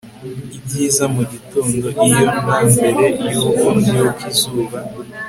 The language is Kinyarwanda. Ibyiza mugitondo iyo na mbere yuko mbyuka izuba